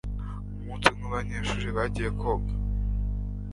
Umunsi umwe abanyeshuri bagiye koga